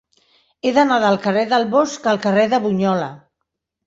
He d'anar del carrer del Bosc al carrer de Bunyola.